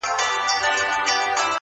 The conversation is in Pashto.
نه دي دوبی نه دي ژمی در معلوم دی -